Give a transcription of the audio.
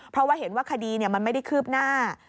เพราะว่าเห็นว่าคดีมันไม่ได้คืบหน้า